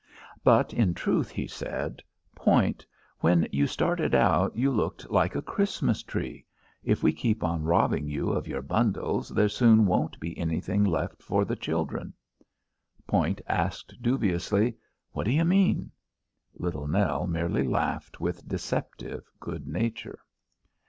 But, in truth, he said, "Point, when you started out you looked like a Christmas tree. If we keep on robbing you of your bundles there soon won't be anything left for the children." Point asked dubiously, "What do you mean?" Little Nell merely laughed with deceptive good nature.